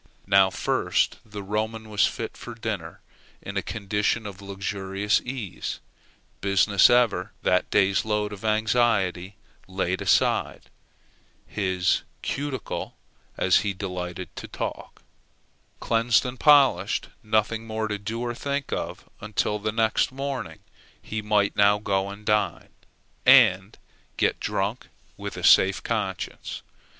Now first the Roman was fit for dinner, in a condition of luxurious ease; business ever that day's load of anxiety laid aside his cuticle, as he delighted to talk, cleansed and polished nothing more to do or to think of until the next morning, he might now go and dine, and get drunk with a safe conscience.